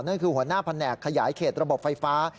นั่นคือหัวหน้าแผนกขยายเขตระบบไฟฟ้า